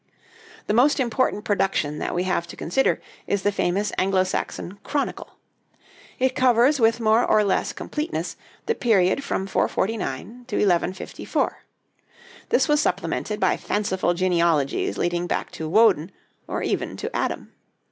The most important production that we have to consider is the famous Anglo Saxon 'Chronicle.' It covers with more or less completeness the period from 449 to 1154. This was supplemented by fanciful genealogies leading back to Woden, or even to Adam.